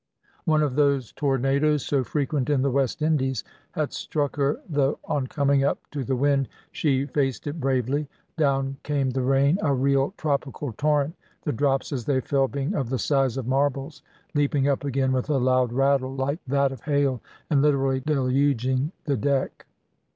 One of those tornados, so frequent in the West Indies, had struck her, though on coming up to the wind she faced it bravely. Down came the rain, a real tropical torrent, the drops as they fell being of the size of marbles, leaping up again with a loud rattle, like that of hail, and literally deluging the deck.